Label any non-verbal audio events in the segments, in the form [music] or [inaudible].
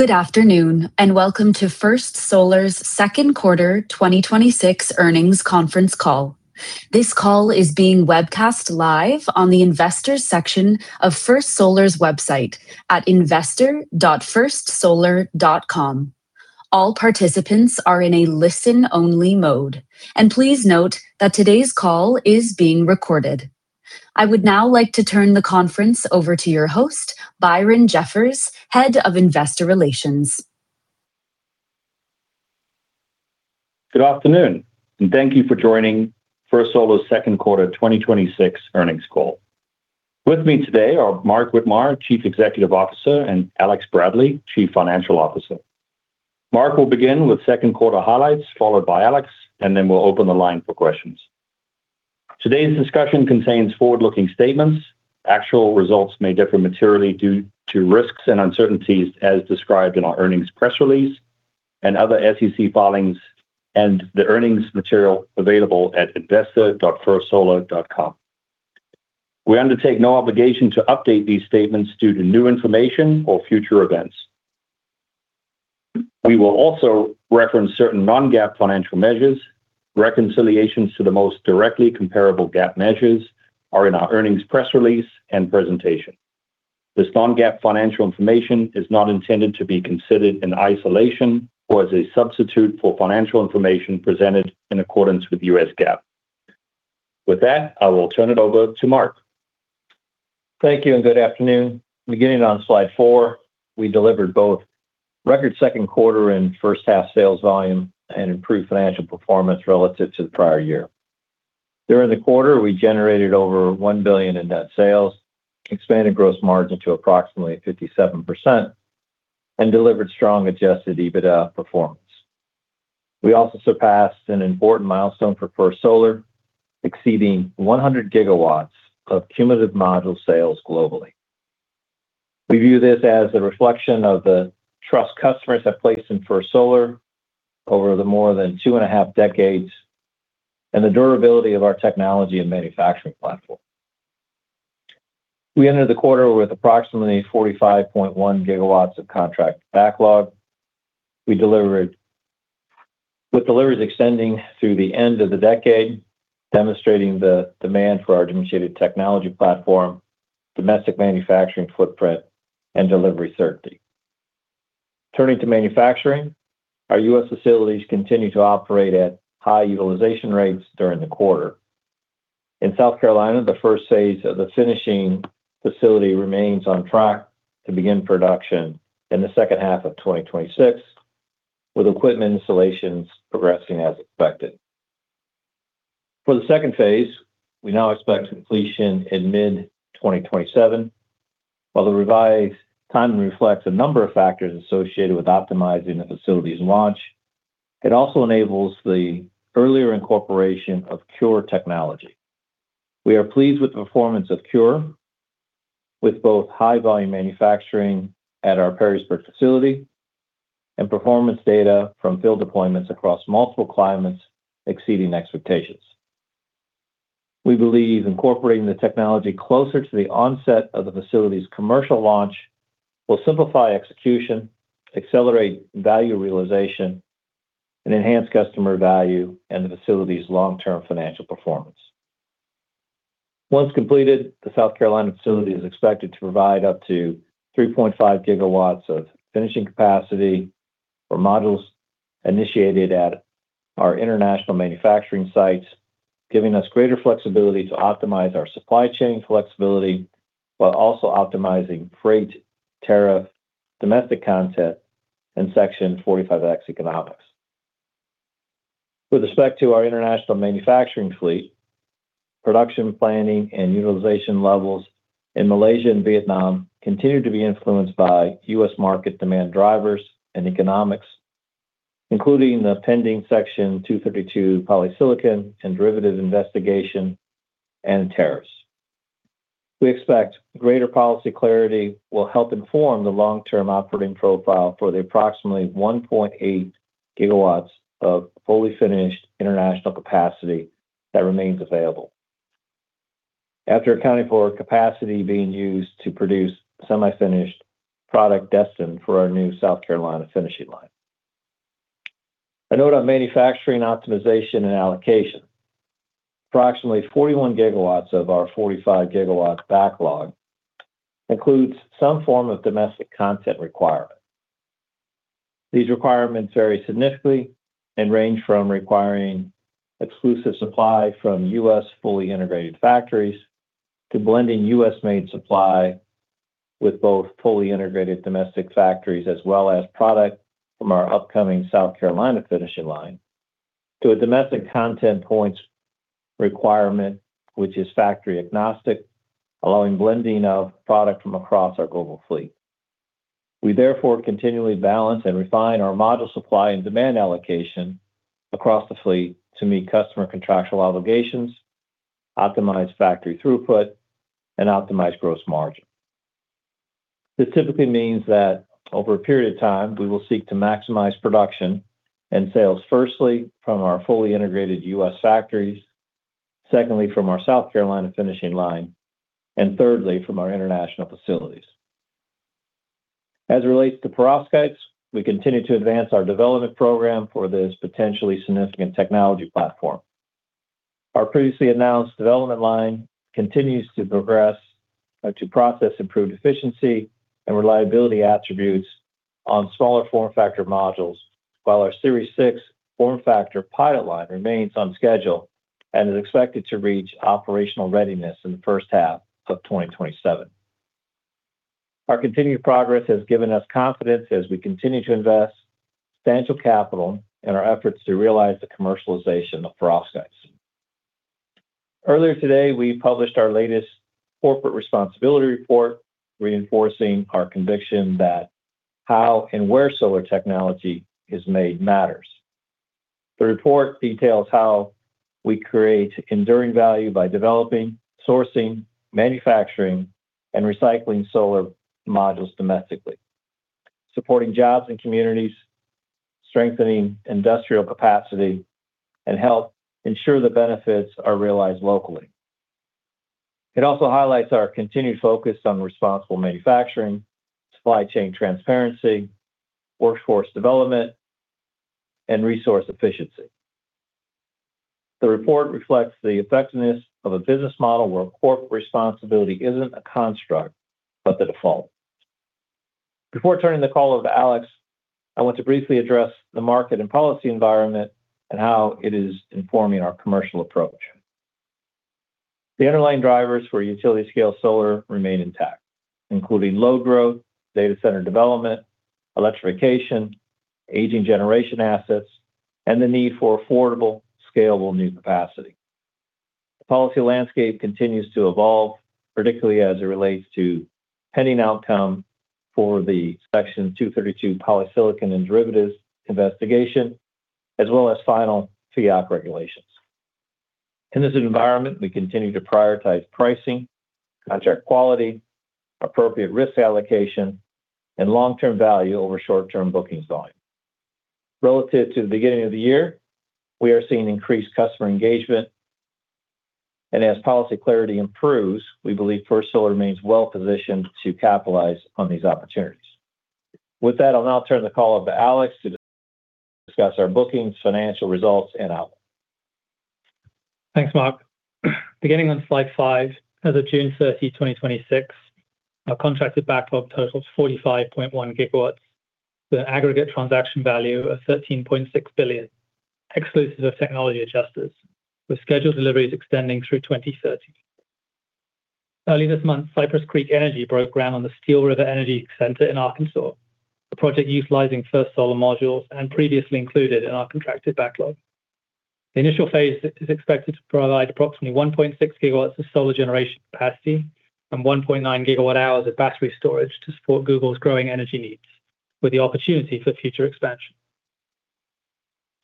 Good afternoon, welcome to First Solar's second quarter 2026 earnings conference call. This call is being webcast live on the Investors section of firstsolar.com. All participants are in a listen-only mode. Please note that today's call is being recorded. I would now like to turn the conference over to your host, Byron Jeffers, Head of Investor Relations. Good afternoon, thank you for joining First Solar's second quarter 2026 earnings call. With me today are Mark Widmar, Chief Executive Officer, and Alex Bradley, Chief Financial Officer. Mark will begin with second quarter highlights, followed by Alex. We'll open the line for questions. Today's discussion contains forward-looking statements. Actual results may differ materially due to risks and uncertainties as described in our earnings press release and other SEC filings and the earnings material available at investor.firstsolar.com. We undertake no obligation to update these statements due to new information or future events. We will also reference certain Non-GAAP financial measures. Reconciliations to the most directly comparable GAAP measures are in our earnings press release and presentation. This Non-GAAP financial information is not intended to be considered in isolation or as a substitute for financial information presented in accordance with U.S. GAAP. With that, I will turn it over to Mark. Thank you, good afternoon. Beginning on slide four, we delivered both record second quarter and first-half sales volume and improved financial performance relative to the prior year. During the quarter, we generated over $1 billion in net sales, expanded gross margin to approximately 57%, and delivered strong adjusted EBITDA performance. We also surpassed an important milestone for First Solar, exceeding 100 GW of cumulative module sales globally. We view this as a reflection of the trust customers have placed in First Solar over the more than two and a half decades, and the durability of our technology and manufacturing platform. We entered the quarter with approximately 45.1 MW of contract backlog. With deliveries extending through the end of the decade, demonstrating the demand for our differentiated technology platform, domestic manufacturing footprint, and delivery certainty. Turning to manufacturing, our U.S. facilities continued to operate at high utilization rates during the quarter. In South Carolina, the phase I of the finishing facility remains on track to begin production in the second half of 2026, with equipment installations progressing as expected. For the phase II, we now expect completion in mid-2027. While the revised timing reflects a number of factors associated with optimizing the facility's launch, it also enables the earlier incorporation of CuRe technology. We are pleased with the performance of CuRe, with both high-volume manufacturing at our Perrysburg facility and performance data from field deployments across multiple climates exceeding expectations. We believe incorporating the technology closer to the onset of the facility's commercial launch will simplify execution, accelerate value realization, and enhance customer value and the facility's long-term financial performance. Once completed, the South Carolina facility is expected to provide up to 3.5 MW of finishing capacity for modules initiated at our international manufacturing sites, giving us greater flexibility to optimize our supply chain flexibility while also optimizing freight, tariff, domestic content, and Section 45X economics. With respect to our international manufacturing fleet, production planning and utilization levels in Malaysia and Vietnam continued to be influenced by U.S. market demand drivers and economics, including the pending Section 232 polysilicon and derivative investigation and tariffs. We expect greater policy clarity will help inform the long-term operating profile for the approximately 1.8 MW of fully finished international capacity that remains available after accounting for capacity being used to produce semi-finished product destined for our new South Carolina finishing line. A note on manufacturing optimization and allocation. Approximately 41 MW of our 45-GW backlog includes some form of domestic content requirement. These requirements vary significantly and range from requiring exclusive supply from U.S. fully integrated factories to blending U.S.-made supply with both fully integrated domestic factories as well as product from our upcoming South Carolina finishing line to a domestic content points requirement, which is factory-agnostic, allowing blending of product from across our global fleet. We therefore continually balance and refine our module supply and demand allocation across the fleet to meet customer contractual obligations, optimize factory throughput, and optimize gross margin. This typically means that over a period of time, we will seek to maximize production and sales firstly from our fully integrated U.S. factories. Secondly, from our South Carolina finishing line, and thirdly, from our international facilities. As it relates to perovskites, we continue to advance our development program for this potentially significant technology platform. Our previously announced development line continues to progress to process improved efficiency and reliability attributes on smaller form factor modules, while our Series 6 form factor pilot line remains on schedule and is expected to reach operational readiness in the first half of 2027. Our continued progress has given us confidence as we continue to invest substantial capital in our efforts to realize the commercialization of perovskites. Earlier today, we published our latest corporate responsibility report, reinforcing our conviction that how and where solar technology is made matters. The report details how we create enduring value by developing, sourcing, manufacturing, and recycling solar modules domestically, supporting jobs and communities, strengthening industrial capacity, and help ensure the benefits are realized locally. It also highlights our continued focus on responsible manufacturing, supply chain transparency, workforce development, and resource efficiency. The report reflects the effectiveness of a business model where corporate responsibility isn't a construct, but the default. Before turning the call over to Alex, I want to briefly address the market and policy environment and how it is informing our commercial approach. The underlying drivers for utility-scale solar remain intact, including load growth, data center development, electrification, aging generation assets, and the need for affordable, scalable new capacity. The policy landscape continues to evolve, particularly as it relates to pending outcome for the Section 232 polysilicon and derivatives investigation, as well as final FEOC regulations. In this environment, we continue to prioritize pricing, contract quality, appropriate risk allocation, and long-term value over short-term booking volume. Relative to the beginning of the year, we are seeing increased customer engagement, and as policy clarity improves, we believe First Solar remains well-positioned to capitalize on these opportunities. With that, I'll now turn the call over to Alex to discuss our bookings, financial results, and outlook. Thanks, Mark. Beginning on slide five, as of June 30th, 2026, our contracted backlog totals 45.1 GW, with an aggregate transaction value of $13.6 billion, exclusive of technology adjusters, with scheduled deliveries extending through 2030. Early this month, Cypress Creek Energy broke ground on the Steel River Energy Center in Arkansas, a project utilizing First Solar modules and previously included in our contracted backlog. The initial phase is expected to provide approximately 1.6 GW of solar generation capacity and 1.9 GW hours of battery storage to support Google's growing energy needs, with the opportunity for future expansion.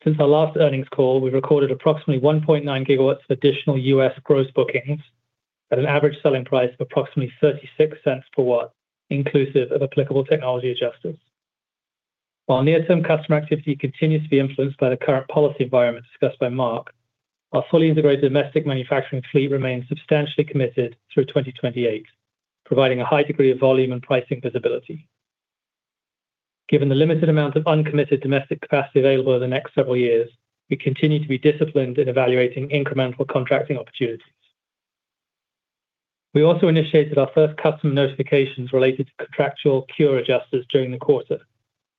Since our last earnings call, we've recorded approximately 1.9 GW of additional U.S. gross bookings at an average selling price of approximately $0.36 per watt, inclusive of applicable technology adjusters. While near-term customer activity continues to be influenced by the current policy environment discussed by Mark, our fully integrated domestic manufacturing fleet remains substantially committed through 2028, providing a high degree of volume and pricing visibility. Given the limited amount of uncommitted domestic capacity available over the next several years, we continue to be disciplined in evaluating incremental contracting opportunities. We also initiated our first customer notifications related to contractual Q.O.R adjusters during the quarter,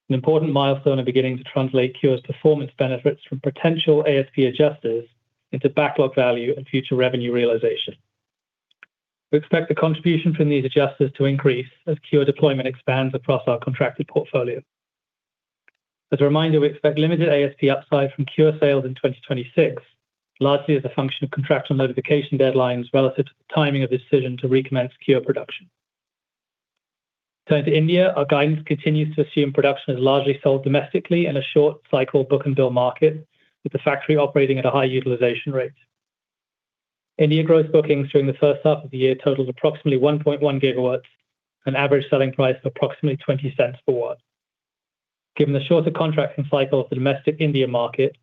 an important milestone in beginning to translate Q.O.R's performance benefits from potential ASP adjusters into backlog value and future revenue realization. We expect the contribution from these adjusters to increase as Q.O.R deployment expands across our contracted portfolio. As a reminder, we expect limited ASP upside from Q.O.R sales in 2026, largely as a function of contractual notification deadlines relative to the timing of decision to recommence Q.O.R production. Turning to India, our guidance continues to assume production is largely sold domestically in a short cycle book-and-bill market, with the factory operating at a high utilization rate. India gross bookings during the first half of the year totaled approximately 1.1 GW, an average selling price of approximately $0.20 per watt. Given the shorter contracting cycle of the domestic India market,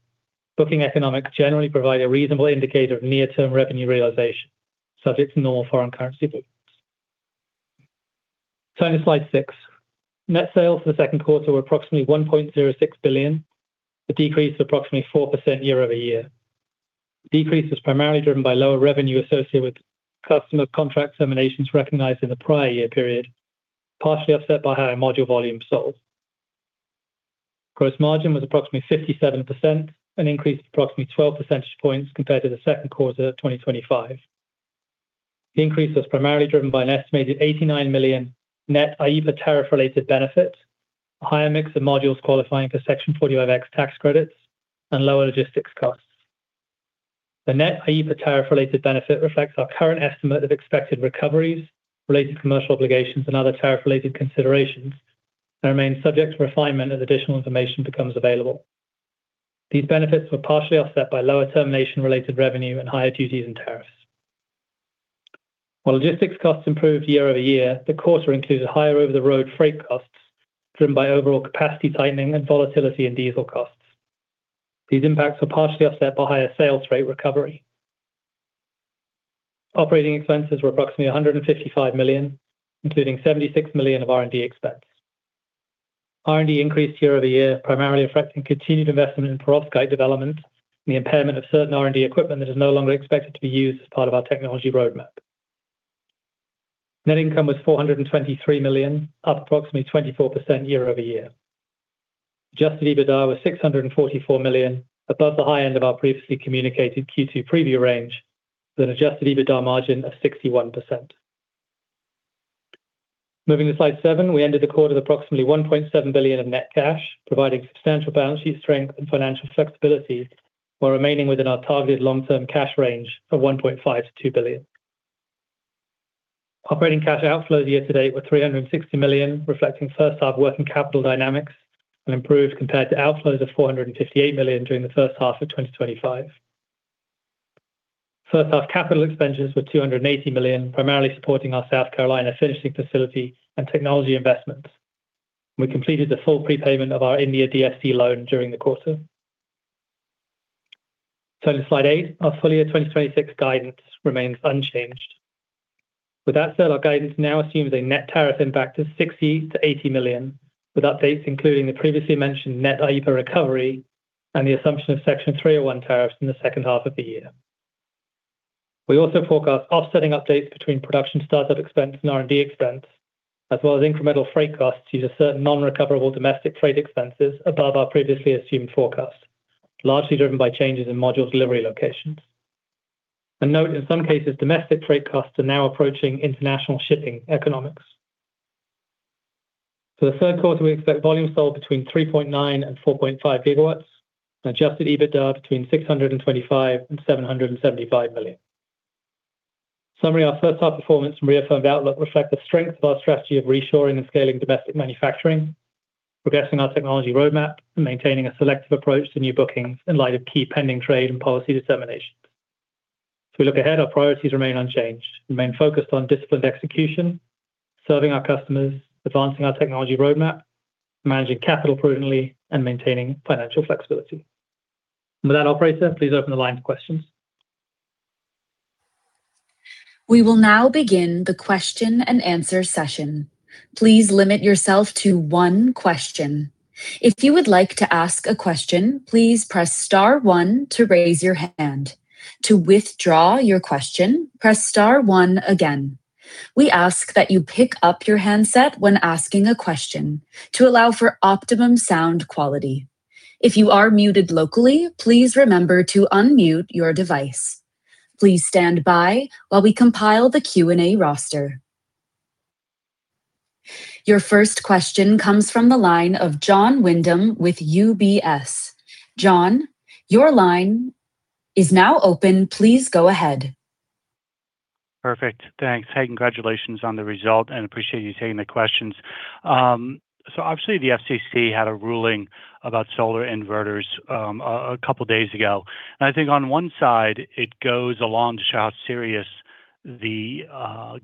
booking economics generally provide a reasonable indicator of near-term revenue realization, subject to normal foreign currency movements. Turning to slide six. Net sales for the second quarter were approximately $1.06 billion, a decrease of approximately 4% year-over-year. Decrease is primarily driven by lower revenue associated with customer contract terminations recognized in the prior year period, partially offset by higher module volume sold. Gross margin was approximately 57%, an increase of approximately 12 percentage points compared to the second quarter of 2025. The increase was primarily driven by an estimated $89 million net IEEPA tariff related benefit, a higher mix of modules qualifying for Section 45X tax credits, and lower logistics costs. The net IEEPA tariff related benefit reflects our current estimate of expected recoveries related to commercial obligations and other tariff related considerations and remains subject to refinement as additional information becomes available. These benefits were partially offset by lower termination-related revenue and higher duties and tariffs. While logistics costs improved year-over-year, the quarter included higher over-the-road freight costs driven by overall capacity tightening and volatility in diesel costs. These impacts were partially offset by higher sales rate recovery. Operating expenses were approximately $155 million, including $76 million of R&D expense. R&D increased year-over-year, primarily affecting continued investment in perovskite development and the impairment of certain R&D equipment that is no longer expected to be used as part of our technology roadmap. Net income was $423 million, up approximately 24% year-over-year. Adjusted EBITDA was $644 million, above the high end of our previously communicated Q2 preview range, with an adjusted EBITDA margin of 61%. Moving to slide seven. We ended the quarter with approximately $1.7 billion of net cash, providing substantial balance sheet strength and financial flexibility while remaining within our targeted long-term cash range of $1.5 billion-$2 billion. Operating cash outflows year-to-date were $360 million, reflecting first half working capital dynamics, and improved compared to outflows of $458 million during the first half of 2025. First half capital expenditures were $280 million, primarily supporting our South Carolina finishing facility and technology investments. We completed the full prepayment of our India DFC loan during the quarter. Turning to slide eight. Our full-year 2026 guidance remains unchanged. With that said, our guidance now assumes a net tariff impact of $60 million-$80 million, with updates including the previously mentioned net IEEPA recovery and the assumption of Section 301 tariffs in the second half of the year. We also forecast offsetting updates between production startup expense and R&D expense, as well as incremental freight costs due to certain non-recoverable domestic trade expenses above our previously assumed forecast, largely driven by changes in module delivery locations. Note, in some cases, domestic freight costs are now approaching international shipping economics. For the third quarter, we expect volumes sold between 3.9 GW-4.5 GW, and adjusted EBITDA between $625 million-$775 million. In summary, our first half performance and reaffirmed outlook reflect the strength of our strategy of reshoring and scaling domestic manufacturing, progressing our technology roadmap, and maintaining a selective approach to new bookings in light of key pending trade and policy determinations. As we look ahead, our priorities remain unchanged. We remain focused on disciplined execution, serving our customers, advancing our technology roadmap, managing capital prudently, and maintaining financial flexibility. With that, operator, please open the line for questions. We will now begin the question and answer session. Please limit yourself to one question. If you would like to ask a question, please press star one to raise your hand. To withdraw your question, press star one again. We ask that you pick up your handset when asking a question to allow for optimum sound quality. If you are muted locally, please remember to unmute your device. Please stand by while we compile the Q&A roster. Your first question comes from the line of Jon Windham with UBS. Jon, your line is now open. Please go ahead. Perfect. Thanks. Hey, congratulations on the result, appreciate you taking the questions. Obviously, the FCC had a ruling about solar inverters a couple of days ago. I think on one side, it goes along to show how serious the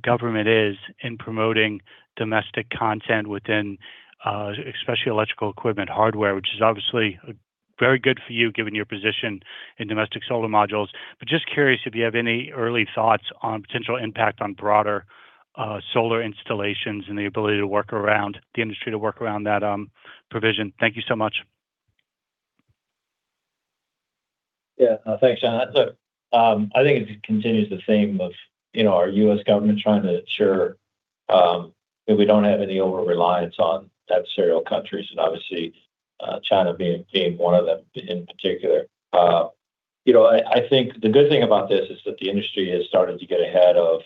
government is in promoting domestic content within, especially electrical equipment hardware, which is obviously very good for you given your position in domestic solar modules. Just curious if you have any early thoughts on potential impact on broader solar installations and the ability of the industry to work around that provision. Thank you so much. Yeah. Thanks, Jon. Look, I think it continues the theme of our U.S. government trying to ensure that we don't have any overreliance on adversarial countries, and obviously China being one of them in particular. I think the good thing about this is that the industry has started to get ahead of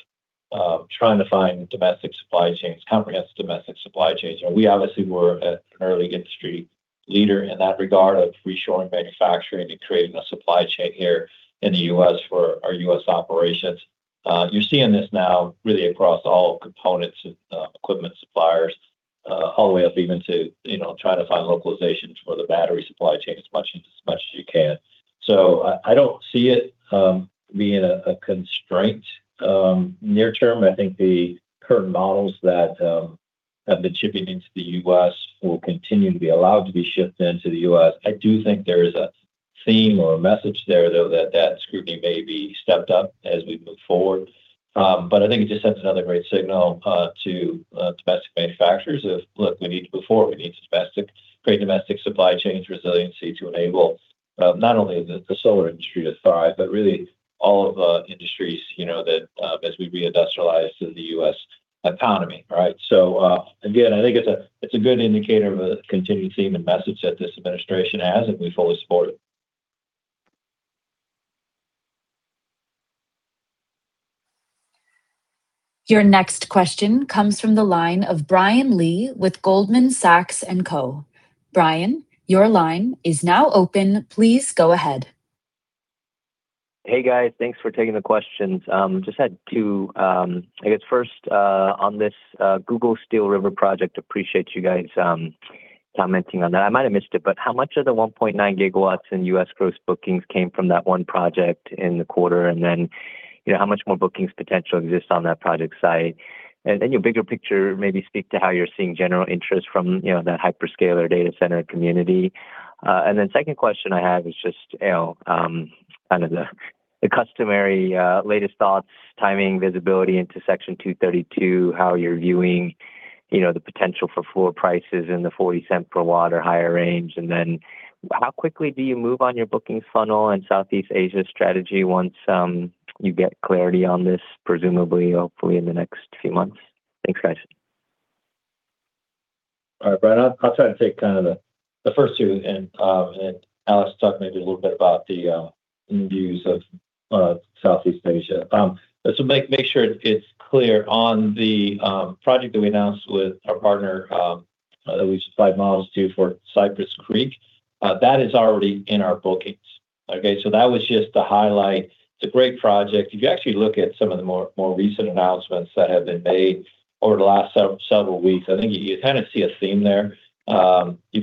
trying to find domestic supply chains, comprehensive domestic supply chains. We obviously were an early industry leader in that regard of reshoring manufacturing and creating a supply chain here in the U.S. for our U.S. operations. You're seeing this now really across all components of equipment suppliers, all the way up even to trying to find localizations for the battery supply chain as much as you can. I don't see it being a constraint near term. I think the current models that have been shipping into the U.S. will continue to be allowed to be shipped into the U.S. I do think there is a theme or a message there, though, that that scrutiny may be stepped up as we move forward. I think it just sends another great signal to domestic manufacturers of, look, we need to move forward. We need to create domestic supply chains resiliency to enable not only the solar industry to thrive, but really all of the industries, that as we reindustrialize the U.S. economy, right? Again, I think it's a good indicator of a continued theme and message that this administration has, and we fully support it. Your next question comes from the line of Brian Lee with Goldman Sachs & Co. Brian, your line is now open. Please go ahead. Hey, guys. Thanks for taking the questions. I guess first, on this Google Steel River project, appreciate you guys commenting on that. I might have missed it, but how much of the 1.9 GW in U.S. gross bookings came from that one project in the quarter? How much more bookings potential exists on that project site? Your bigger picture, maybe speak to how you're seeing general interest from that hyperscaler data center community. Second question I have is just the customary latest thoughts, timing, visibility into Section 232, how you're viewing the potential for floor prices in the $0.40 per watt or higher range. How quickly do you move on your booking funnel and Southeast Asia strategy once you get clarity on this, presumably, hopefully, in the next few months? Thanks, guys. All right, Brian, I will try to take kind of the first two, and Alex will talk maybe a little bit about the views of Southeast Asia. Just to make sure it is clear, on the project that we announced with our partner, that we supplied modules to for Cypress Creek, that is already in our bookings. That was just to highlight. It is a great project. If you actually look at some of the more recent announcements that have been made over the last several weeks, I think you kind of see a theme there. You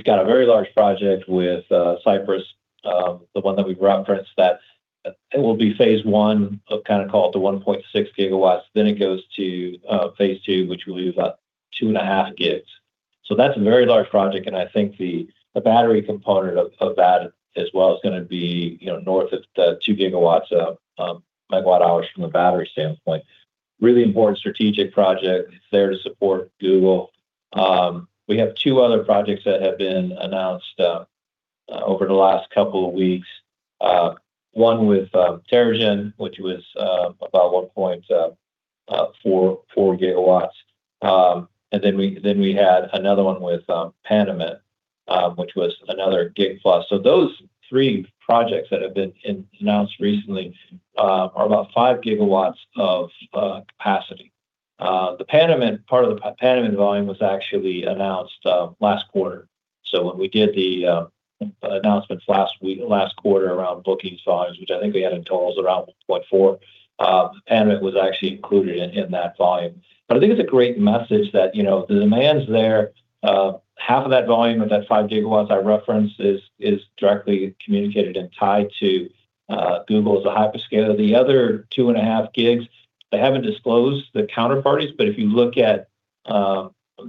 have a very large project with Cypress, the one that we referenced that it will be phase one of kind of call it the 1.6 GW. Then it goes to phase two, which will be about two and a half gigs. That is a very large project, and I think the battery component of that as well is going to be north of 2 GW of megawatt hours from a battery standpoint. Really important strategic project. It is there to support Google. We have two other projects that have been announced over the last couple of weeks. One with Terra-Gen, which was about 1.4 GW. Then we had another one with Panamint, which was another gig plus. Those three projects that have been announced recently are about five gigawatts of capacity. The Panamint part of the Panamint volume was actually announced last quarter. When we did the announcements last quarter around bookings volumes, which I think we had in totals around 1.4, Panamint was actually included in that volume. I think it is a great message that the demand is there. Half of that volume of that 5 GW I referenced is directly communicated and tied to Google as a hyperscaler. The other two and a half gigs, they have not disclosed the counterparties, if you look at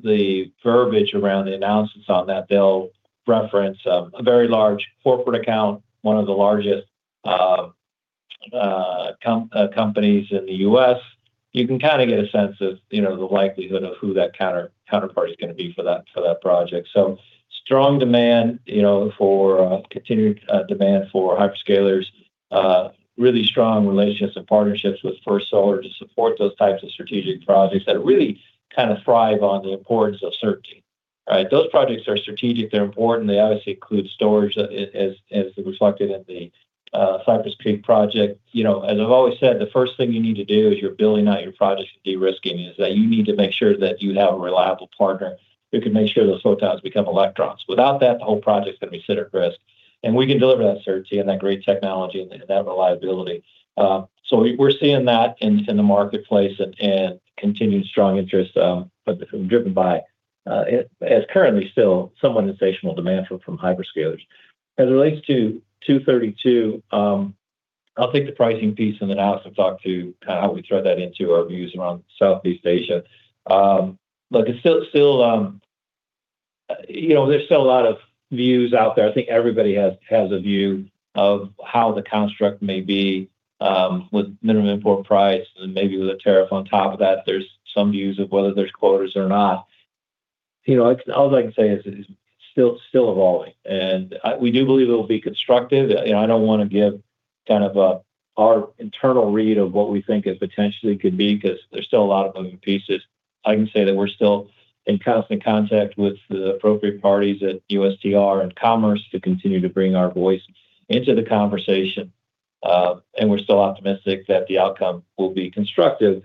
the verbiage around the announcements on that, they will reference a very large corporate account, one of the largest companies in the U.S. You can kind of get a sense of the likelihood of who that counterparty is going to be for that project. Strong demand for continued demand for hyperscalers. Really strong relationships and partnerships with First Solar to support those types of strategic projects that really kind of thrive on the importance of certainty. Right? Those projects are strategic. They are important. They obviously include storage as reflected in the Cypress Creek project. As I have always said, the first thing you need to do as you are building out your project to de-risking is that you need to make sure that you have a reliable partner who can make sure those photons become electrons. Without that, the whole project is going to be sit at risk, and we can deliver that certainty and that great technology and that reliability. We are seeing that in the marketplace and continued strong interest driven by, as currently still, somewhat insatiable demand from hyperscalers. As it relates to 232, I will take the pricing piece and then Alex can talk to kind of how we thread that into our views around Southeast Asia. Look, there is still a lot of views out there. I think everybody has a view of how the construct may be with minimum import price and maybe with a tariff on top of that. There's some views of whether there's quotas or not. All I can say is it's still evolving, and we do believe it'll be constructive. I don't want to give kind of our internal read of what we think it potentially could be, because there's still a lot of moving pieces. I can say that we're still in constant contact with the appropriate parties at USTR and Commerce to continue to bring our voice into the conversation. We're still optimistic that the outcome will be constructive.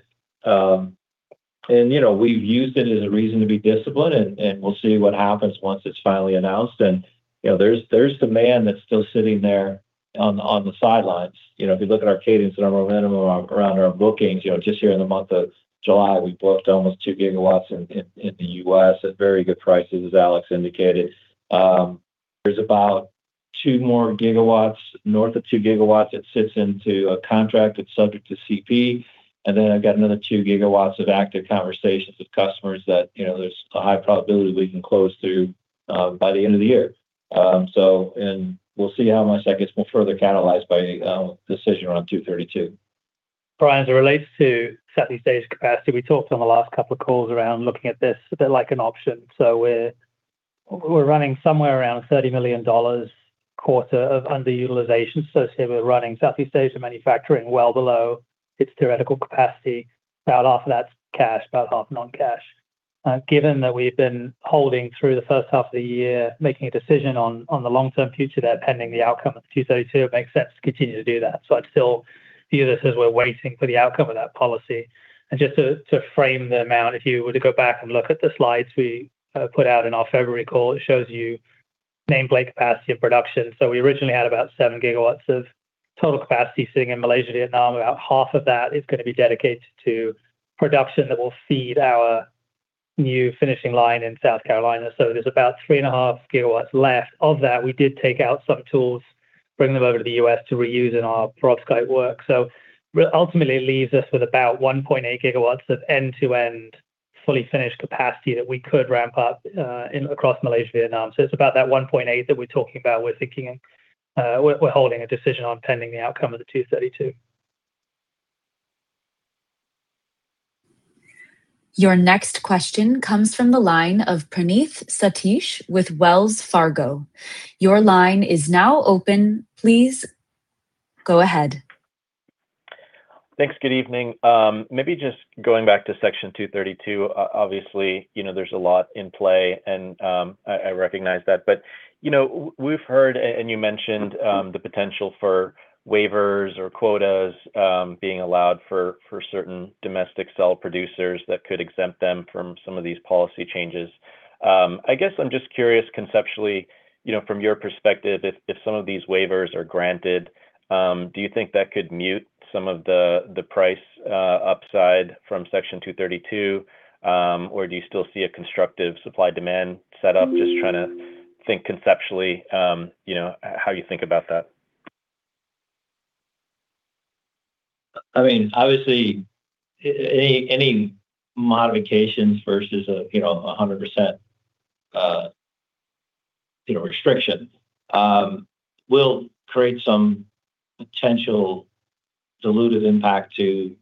We've used it as a reason to be disciplined, and we'll see what happens once it's finally announced. There's demand that's still sitting there on the sidelines. If you look at our cadence and our momentum around our bookings, just here in the month of July, we booked almost 2 GW in the U.S. at very good prices, as Alex indicated. There's about 2 more GW, north of 2 GW, that's subject to CP. Then I've got another 2 GW of active conversations with customers that there's a high probability we can close through by the end of the year. We'll see how much that gets further catalyzed by a decision around 232. Brian, as it relates to Southeast Asia capacity, we talked on the last couple of calls around looking at this a bit like an option. We're running somewhere around $30 million quarter of underutilization. Say we're running Southeast Asia manufacturing well below its theoretical capacity. About half of that's cash, about half non-cash. Given that we've been holding through the first half of the year, making a decision on the long-term future there pending the outcome of the 232, it makes sense to continue to do that. I'd still view this as we're waiting for the outcome of that policy. Just to frame the amount, if you were to go back and look at the slides we put out in our February call, it shows you nameplate capacity of production. We originally had about 7 GW of total capacity sitting in Malaysia and Vietnam, about half of that is going to be dedicated to production that will feed our new finishing line in South Carolina. There's about 3.5 GW left of that. We did take out some tools, bring them over to the U.S. to reuse in our broad scope work. Ultimately, it leaves us with about 1.8 GW of end-to-end, fully finished capacity that we could ramp up across Malaysia and Vietnam. It's about that 1.8 that we're talking about. We're holding a decision on pending the outcome of the 232. Your next question comes from the line of Praneeth Satish with Wells Fargo. Your line is now open. Please go ahead. Thanks. Good evening. Maybe just going back to Section 232, obviously, there's a lot in play and I recognize that. We've heard, and you mentioned the potential for waivers or quotas being allowed for certain domestic cell producers that could exempt them from some of these policy changes. I guess I'm just curious conceptually, from your perspective, if some of these waivers are granted, do you think that could mute some of the price upside from Section 232? Or do you still see a constructive supply-demand setup? Just trying to think conceptually how you think about that. Obviously, any modifications versus 100% restriction will create some potential dilutive impact to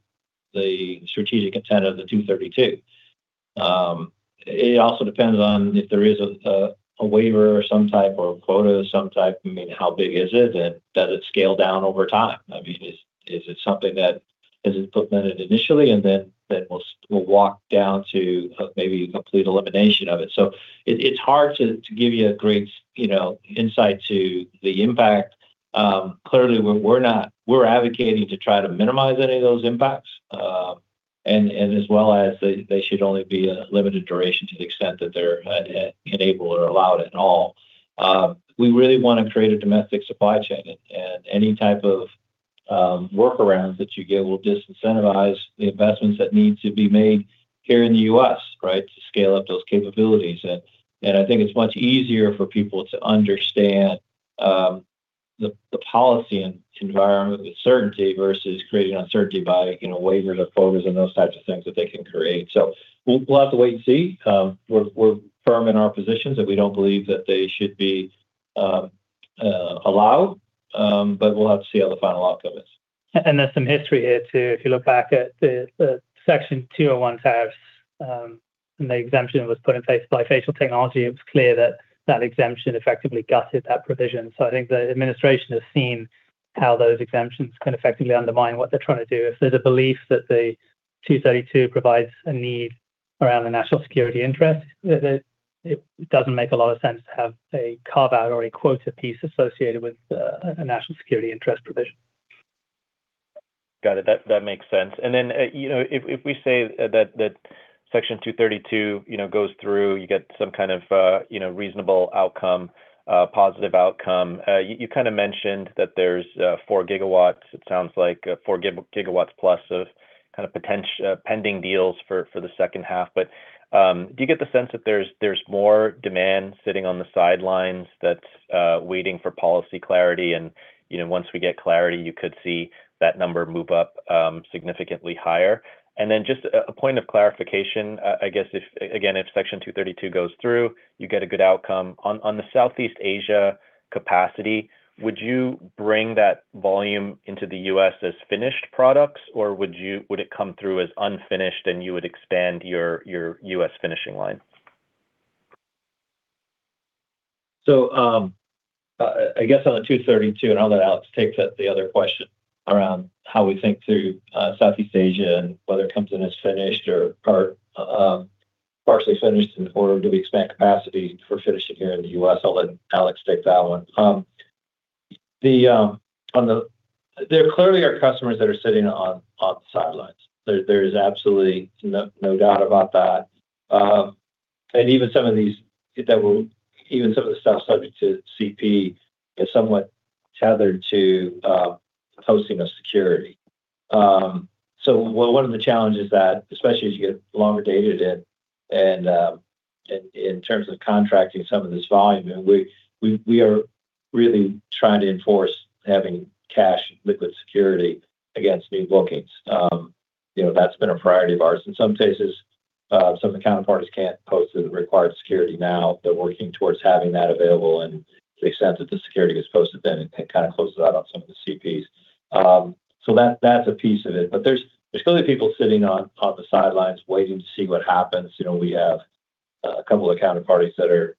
the strategic intent of the 232. It also depends on if there is a waiver of some type or a quota of some type, how big is it, and does it scale down over time? Is it something that is implemented initially and then we'll walk down to maybe complete elimination of it? It's hard to give you a great insight to the impact. Clearly, we're advocating to try to minimize any of those impacts, and as well as they should only be a limited duration to the extent that they're enabled or allowed at all. We really want to create a domestic supply chain, and any type of workarounds that you get will disincentivize the investments that need to be made here in the U.S. to scale up those capabilities. I think it's much easier for people to understand the policy environment with certainty versus creating uncertainty by waivers or quotas and those types of things that they can create. We'll have to wait and see. We're firm in our positions that we don't believe that they should be allowed, we'll have to see how the final outcome is. There's some history here, too. If you look back at the Section 201 tariffs, and the exemption was put in place by bifacial technology, it was clear that that exemption effectively gutted that provision. I think the administration has seen how those exemptions can effectively undermine what they're trying to do. If there's a belief that the 232 provides a need around the national security interest, it doesn't make a lot of sense to have a carve-out or a quota piece associated with a national security interest provision. Got it. That makes sense. If we say that Section 232 goes through, you get some kind of reasonable outcome, a positive outcome. You kind of mentioned that there's four megawatts, it sounds like four megawatts plus of pending deals for the second half. Do you get the sense that there's more demand sitting on the sidelines that's waiting for policy clarity, and once we get clarity, you could see that number move up significantly higher? Just a point of clarification, I guess, again, if Section 232 goes through, you get a good outcome. On the Southeast Asia capacity, would you bring that volume into the U.S. as finished products, or would it come through as unfinished and you would expand your U.S. finishing line? I guess on the 232, and I'll let Alex take the other question around how we think through Southeast Asia and whether it comes in as finished or partially finished, or do we expand capacity for finishing here in the U.S. I'll let Alex take that one. There clearly are customers that are sitting on the sidelines. There is absolutely no doubt about that. Even some of the stuff subject to CP is somewhat tethered to posting of security. One of the challenges that, especially as you get longer dated in terms of contracting some of this volume, and we are really trying to enforce having cash liquid security against new bookings. That's been a priority of ours. In some cases, some of the counterparties can't post the required security now. They're working towards having that available. To the extent that the security is posted then, it kind of closes out on some of the CPs. That's a piece of it. There's clearly people sitting on the sidelines waiting to see what happens. We have a couple of counterparties that are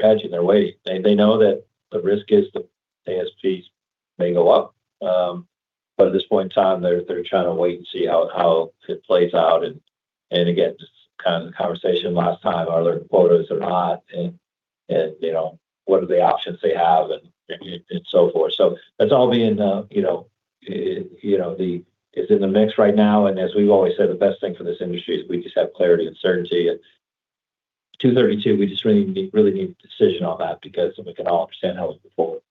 hedging their weight. They know that the risk is that ASPs may go up. At this point in time, they're trying to wait and see how it plays out. Again, just the conversation last time, are there quotas or not? What are the options they have and so forth. That's all being in the mix right now. As we've always said, the best thing for this industry is we just have clarity and certainty and 232, we just really need a decision on that because we can all understand how we move forward.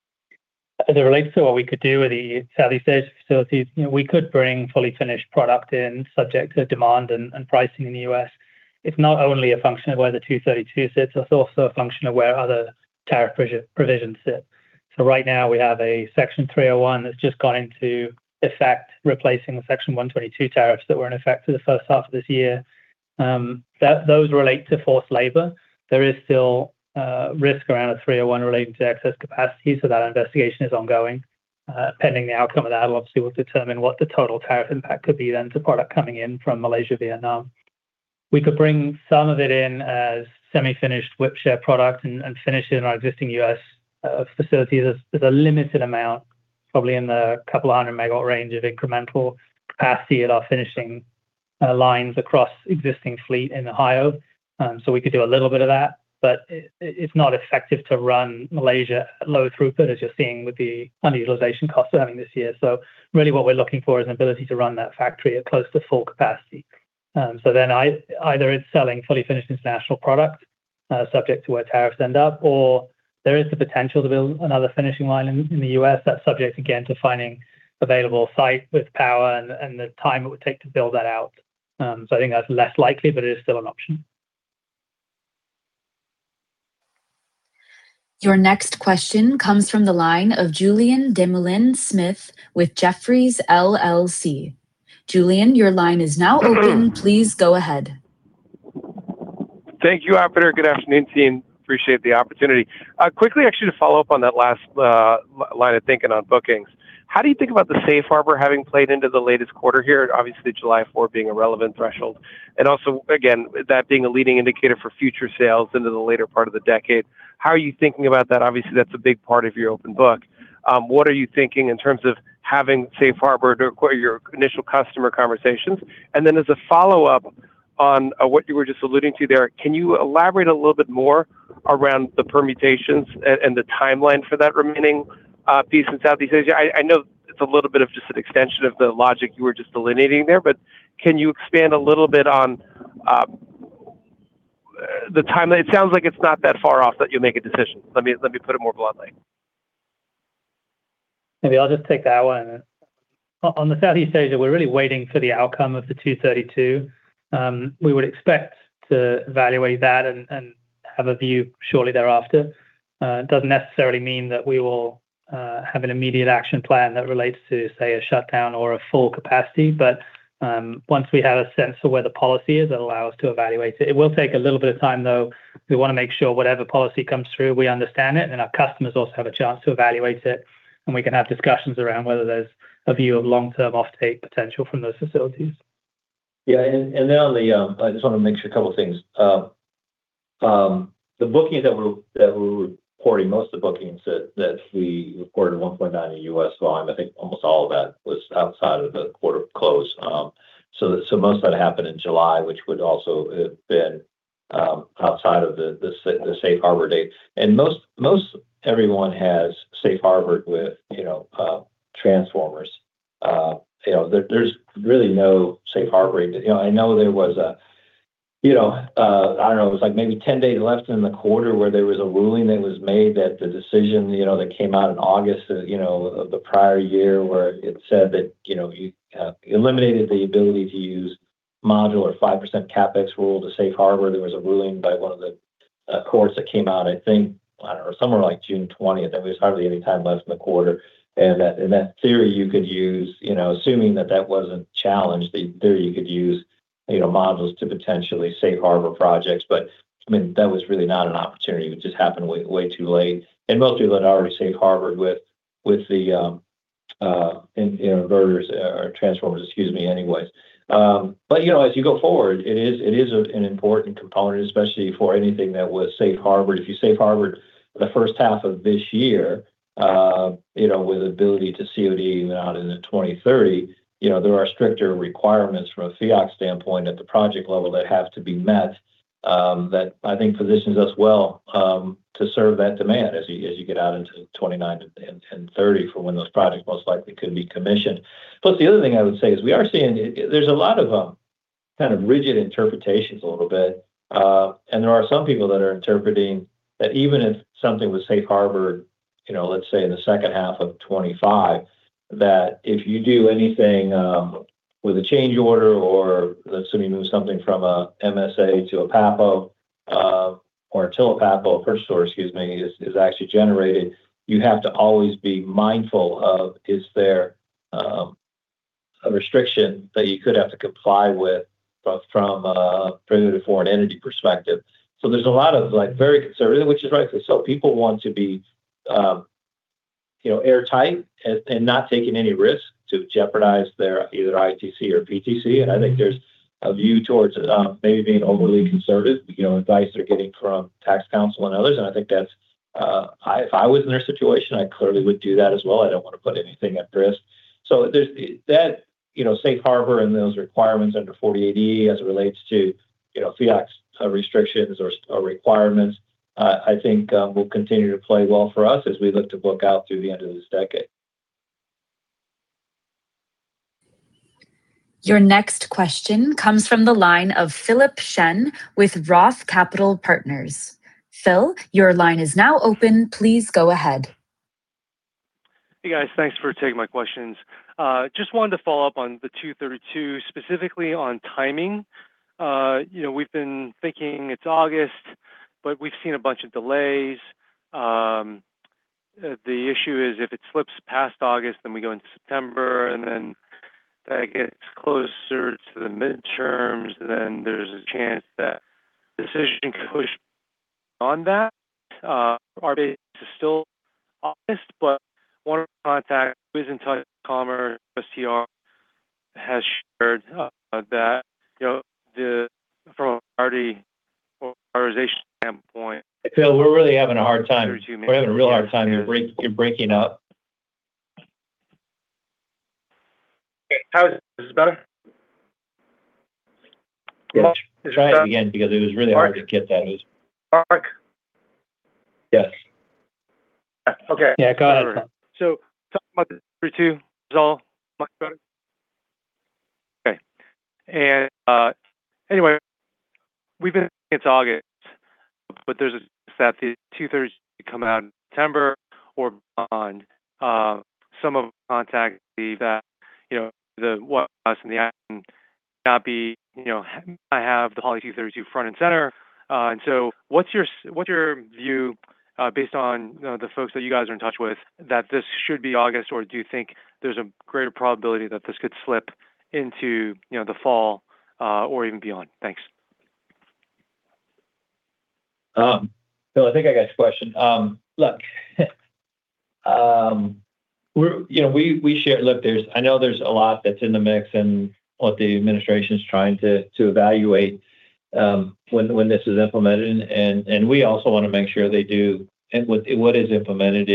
As it relates to what we could do with the Southeast Asia facilities, we could bring fully finished product in subject to demand and pricing in the U.S. It's not only a function of where the 232 sits, it's also a function of where other tariff provisions sit. Right now we have a Section 301 that's just gone into effect, replacing the Section 122 tariffs that were in effect for the first half of this year. Those relate to forced labor. There is still risk around a 301 relating to excess capacity, that investigation is ongoing. Pending the outcome of that, obviously, will determine what the total tariff impact could be to product coming in from Malaysia, Vietnam. We could bring some of it in as semi-finished whip share product and finish it in our existing U.S. facilities. There's a limited amount, probably in the couple of hundred megawatt range of incremental capacity at our finishing lines across existing fleet in Ohio. We could do a little bit of that, but it's not effective to run Malaysia at low throughput, as you're seeing with the underutilization costs we're having this year. Really what we're looking for is an ability to run that factory at close to full capacity. Either it's selling fully finished international product, subject to where tariffs end up, or there is the potential to build another finishing line in the U.S. That's subject, again, to finding available site with power and the time it would take to build that out. I think that's less likely, but it is still an option. Your next question comes from the line of Julien Dumoulin-Smith with Jefferies LLC. Julien, your line is now open. Please go ahead. Thank you, operator. Good afternoon, team. Appreciate the opportunity. Quickly, actually, to follow up on that last line of thinking on bookings, how do you think about the safe harbor having played into the latest quarter here, obviously July 4th being a relevant threshold? Also, again, that being a leading indicator for future sales into the later part of the decade, how are you thinking about that? Obviously, that's a big part of your open book. What are you thinking in terms of having safe harbor to acquire your initial customer conversations? As a follow-up on what you were just alluding to there, can you elaborate a little bit more around the permutations and the timeline for that remaining piece in Southeast Asia? I know it's a little bit of just an extension of the logic you were just delineating there, but can you expand a little bit on the timeline? It sounds like it's not that far off that you'll make a decision. Let me put it more bluntly. Maybe I'll just take that one. On the Southeast Asia, we're really waiting for the outcome of the 232. We would expect to evaluate that and have a view shortly thereafter. It doesn't necessarily mean that we will have an immediate action plan that relates to, say, a shutdown or a full capacity. Once we have a sense of where the policy is, that'll allow us to evaluate it. It will take a little bit of time, though. We want to make sure whatever policy comes through, we understand it, and our customers also have a chance to evaluate it. We can have discussions around whether there's a view of long-term offtake potential from those facilities. Yeah, I just want to make sure a couple of things. The bookings that we're reporting, most of the bookings that we reported in 1.9 in U.S. volume, I think almost all of that was outside of the quarter close. Most of that happened in July, which would also have been outside of the safe harbor date. Most everyone has safe harbored with transformers. There's really no safe harbor. I know there was a, I don't know, it was maybe 10 days left in the quarter where there was a ruling that was made that the decision that came out in August of the prior year where it said that you eliminated the ability to use modular 5% CapEx rule to safe harbor. There was a ruling by one of the courts that came out, I think, I don't know, somewhere like June 20th. There was hardly any time left in the quarter. That theory you could use, assuming that that wasn't challenged, the theory you could use modules to potentially safe harbor projects. But that was really not an opportunity. It just happened way too late. Most people had already safe harbored with the inverters or transformers, excuse me, anyways. But as you go forward, it is an important component, especially for anything that was safe harbored. If you safe harbored the first half of this year with ability to COD out into 2030, there are stricter requirements from a FEOC standpoint at the project level that have to be met that I think positions us well to serve that demand as you get out into '29 and '30 for when those projects most likely could be commissioned. The other thing I would say is we are seeing, there's a lot of rigid interpretations a little bit. There are some people that are interpreting that even if something was safe harbored, let's say in the second half of 2025, that if you do anything with a change order or assuming it was something from a MSA to a PAPO or until a PAPO, First Solar, excuse me, is actually generated, you have to always be mindful of is there a restriction that you could have to comply with from a foreign entity perspective. So there's a lot of very conservative, which is right. People want to be airtight and not taking any risk to jeopardize their either ITC or PTC. I think there's a view towards maybe being overly conservative, advice they're getting from tax counsel and others. I think that's, if I was in their situation, I clearly would do that as well. I don't want to put anything at risk. So there's that safe harbor and those requirements under 40AD as it relates to FEOC's restrictions or requirements, I think will continue to play well for us as we look to book out through the end of this decade. Your next question comes from the line of Philip Shen with ROTH Capital Partners. Phil, your line is now open. Please go ahead. Hey, guys. Thanks for taking my questions. Just wanted to follow up on the 232, specifically on timing. We've been thinking it's August, but we've seen a bunch of delays. The issue is, if it slips past August, then we go into September, and then that gets closer to the midterms, then there's a chance that decision could push on that. Are they still August? want to contact who's inside commerce CR has shared that from an authorization standpoint- Phil, we're really having a hard time. Two minutes. We're having a real hard time. You're breaking up. How is it? Is this better? Try it again, because it was really hard to get that. Mark? Yes. Okay. Yeah, I got it. Talking about the three, two is all much better. Okay. Anyway, we've been thinking it's August, but there's a stat the 232 come out in September or beyond. [unintelligible] I have the policy 232 front and center. What's your view, based on the folks that you guys are in touch with, that this should be August? Do you think there's a greater probability that this could slip into the fall, or even beyond? Thanks. Philip, I think I got your question. Look I know there's a lot that's in the mix and what the administration's trying to evaluate when this is implemented, and we also want to make sure they do, and what is implemented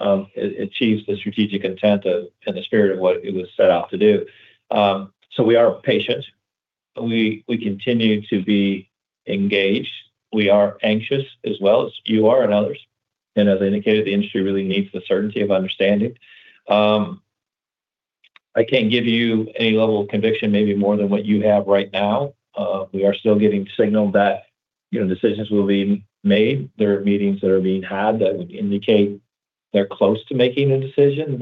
achieves the strategic intent and the spirit of what it was set out to do. We are patient. We continue to be engaged. We are anxious as well as you are and others. As I indicated, the industry really needs the certainty of understanding. I can't give you any level of conviction, maybe more than what you have right now. We are still getting signal that decisions will be made. There are meetings that are being had that would indicate they're close to making a decision.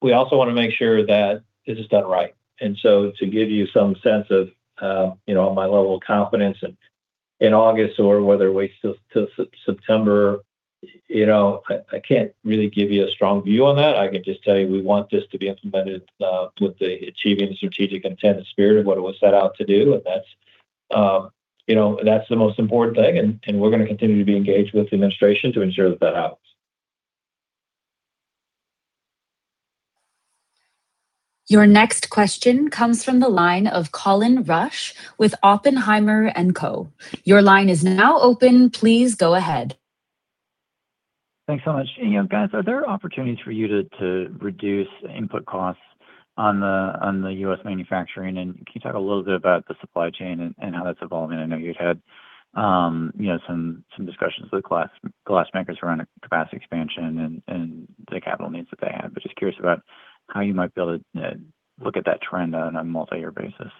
We also want to make sure that this is done right. To give you some sense of my level of confidence in August or whether it waits till September, I can't really give you a strong view on that. I can just tell you we want this to be implemented with the achieving the strategic intent and spirit of what it was set out to do. That's the most important thing, and we're going to continue to be engaged with the administration to ensure that that happens. Your next question comes from the line of Colin Rusch with Oppenheimer & Co. Your line is now open. Please go ahead. Thanks so much. Guys, are there opportunities for you to reduce input costs on the U.S. manufacturing? Can you talk a little bit about the supply chain and how that's evolving? I know you'd had some discussions with glass makers around a capacity expansion and the capital needs that they have, just curious about how you might be able to look at that trend on a multi-year basis.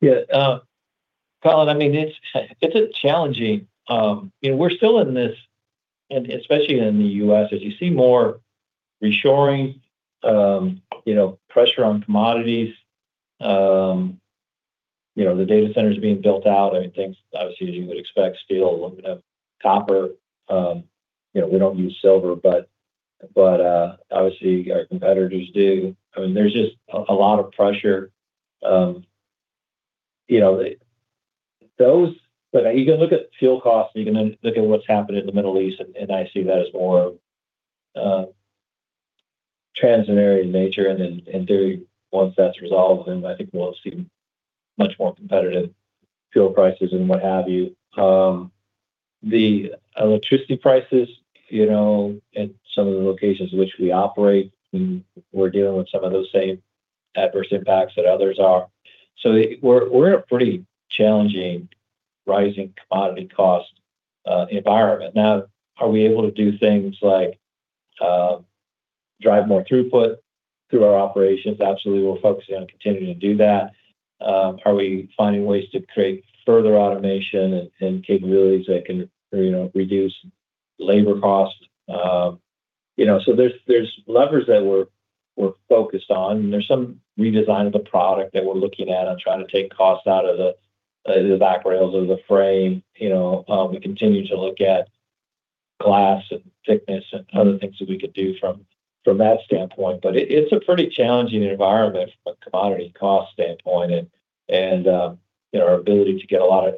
Yeah. Colin, it's challenging. We're still in this. Especially in the U.S., as you see more reshoring, pressure on commodities, the data centers are being built out, everything, obviously, as you would expect, steel, aluminum, copper. We don't use silver, but obviously our competitors do. There's just a lot of pressure. You can look at fuel costs, and you can look at what's happened in the Middle East. I see that as more of a transitory nature. In theory, once that's resolved, I think we'll have seen much more competitive fuel prices and what have you. The electricity prices, at some of the locations in which we operate, we're dealing with some of those same adverse impacts that others are. We're in a pretty challenging rising commodity cost environment. Now, are we able to do things like drive more throughput through our operations? Absolutely. We're focusing on continuing to do that. Are we finding ways to create further automation and capabilities that can reduce labor costs? There's levers that we're focused on, and there's some redesign of the product that we're looking at on trying to take costs out of the back rails of the frame. We continue to look at glass and thickness and other things that we could do from that standpoint. It's a pretty challenging environment from a commodity cost standpoint. Our ability to get a lot of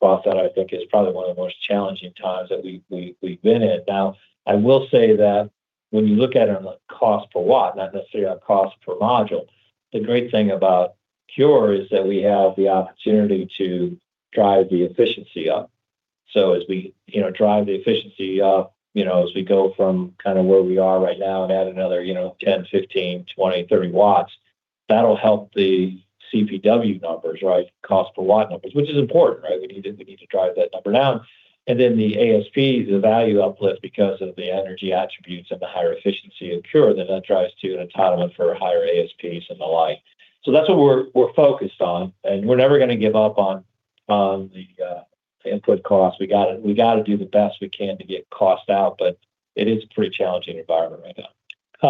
profit, I think, is probably one of the most challenging times that we've been in. Now, I will say that when you look at it on a cost per watt, not necessarily a cost per module, the great thing about CuRe is that we have the opportunity to drive the efficiency up. As we drive the efficiency up, as we go from where we are right now and add another 10 watts, 15 watts, 20 watts, 30 watts, that'll help the CPW numbers, cost per watt numbers, which is important. We need to drive that number down. The ASP, the value uplift, because of the energy attributes and the higher efficiency of CuRe, that drives to an entitlement for higher ASPs and the like. That's what we're focused on, and we're never going to give up on the input costs. We got to do the best we can to get cost out, but it is a pretty challenging environment right now.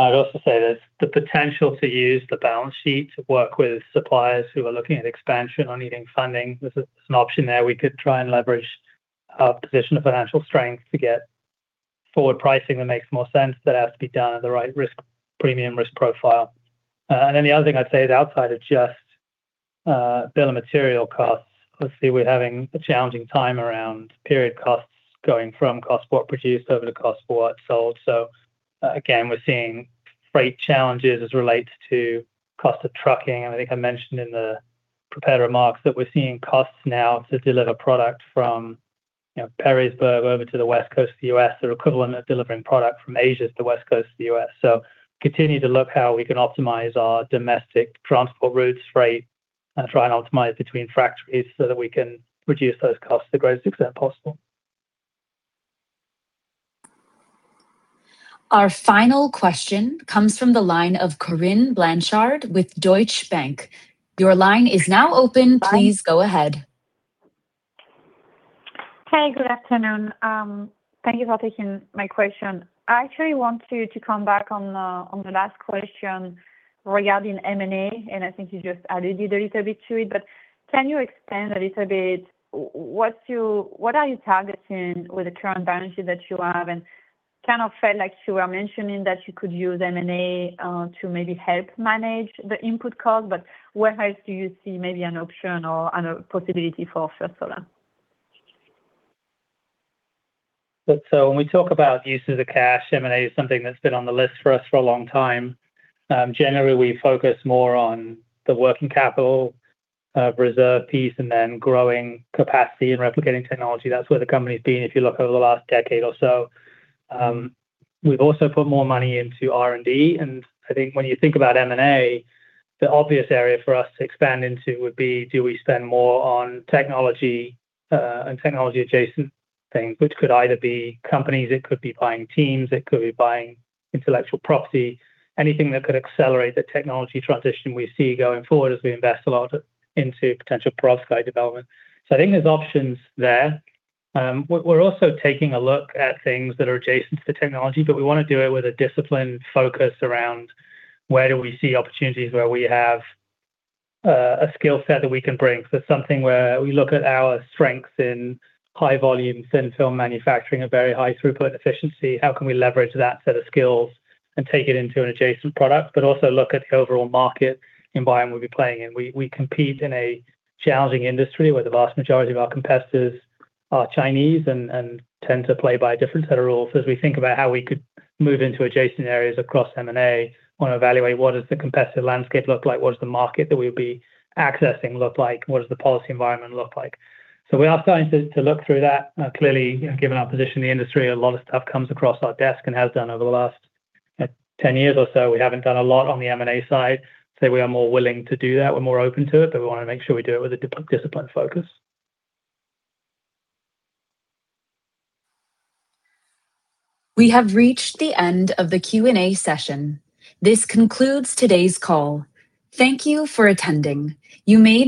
I'd also say that the potential to use the balance sheet to work with suppliers who are looking at expansion or needing funding, there's an option there. We could try and leverage our position of financial strength to get forward pricing that makes more sense. That has to be done at the right risk premium, risk profile. The other thing I'd say is outside of just bill of material costs, obviously, we're having a challenging time around period costs going from cost per watt produced over to cost per watt sold. Again, we're seeing freight challenges as it relates to cost of trucking. I think I mentioned in the prepared remarks that we're seeing costs now to deliver product from Perrysburg over to the West Coast of the U.S. are equivalent of delivering product from Asia to the West Coast of the U.S. continue to look how we can optimize our domestic transport routes, freight, and try and optimize between factories so that we can reduce those costs to the greatest extent possible. Our final question comes from the line of Corinne Blanchard with Deutsche Bank. Your line is now open. Please go ahead. Hey, good afternoon. Thank you for taking my question. I actually want to come back on the last question regarding M&A. I think you just added a little bit to it, can you expand a little bit, what are you targeting with the current balance sheet that you have? Kind of felt like you were mentioning that you could use M&A to maybe help manage the input cost, where else do you see maybe an option or a possibility for First Solar? Look, when we talk about uses of cash, M&A is something that's been on the list for us for a long time. Generally, we focus more on the working capital reserve piece then growing capacity and replicating technology. That's where the company's been if you look over the last decade or so. We've also put more money into R&D. I think when you think about M&A, the obvious area for us to expand into would be, do we spend more on technology, and technology-adjacent things? Which could either be companies, it could be buying teams, it could be buying intellectual property. Anything that could accelerate the technology transition we see going forward as we invest a lot into potential perovskite development. I think there's options there. We're also taking a look at things that are adjacent to technology. We want to do it with a disciplined focus around where do we see opportunities where we have a skill set that we can bring. Something where we look at our strengths in high volume, thin film manufacturing, a very high throughput efficiency. How can we leverage that set of skills and take it into an adjacent product, also look at the overall market environment we'll be playing in. We compete in a challenging industry where the vast majority of our competitors are Chinese and tend to play by a different set of rules. As we think about how we could move into adjacent areas across M&A, want to evaluate what does the competitive landscape look like, what does the market that we'll be accessing look like, and what does the policy environment look like. We are starting to look through that. Clearly, given our position in the industry, a lot of stuff comes across our desk and has done over the last 10 years or so. We haven't done a lot on the M&A side. I'd say we are more willing to do that. We're more open to it. We want to make sure we do it with a disciplined focus. We have reached the end of the Q&A session. This concludes today's call. Thank you for attending. You may-